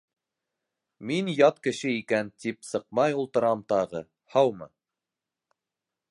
Мин ят кеше икән тип сыҡмай ултырам тағы, һаумы!